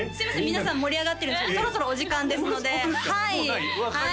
皆さん盛り上がってるんですけどそろそろお時間ですのではいもうない？